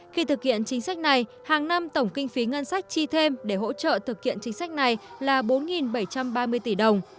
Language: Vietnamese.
khi thực hiện chính sách này hàng năm tổng kinh phí ngân sách chi thêm để hỗ trợ thực hiện chính sách này là bốn bảy trăm ba mươi tỷ đồng